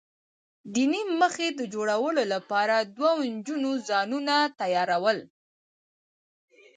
د نیم مخي د جوړولو لپاره دوو نجونو ځانونه تیاراول.